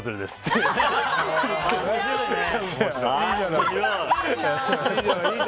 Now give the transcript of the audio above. いいじゃない。